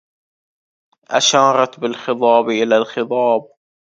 أشارت بالخضاب إلى الخضاب